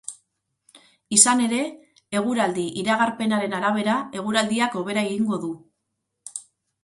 Izan ere, eguraldi-iragarpenaren arabera, eguraldiak hobera egingo du.